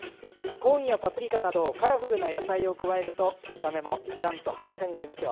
コーンやパプリカなどカラフルな野菜を加えると見た目も一段と華やかになりますよ。